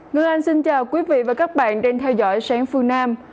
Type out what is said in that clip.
ngân anh xin chào quý vị và các bạn đang theo dõi sáng phương nam